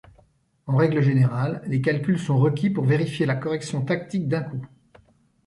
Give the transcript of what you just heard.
En règle générale, les calculs sont requis pour vérifier la correction tactique d'un coup.